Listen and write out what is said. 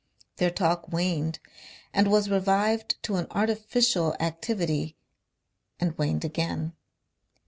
Their talk waned, and was revived to an artificial activity and waned again.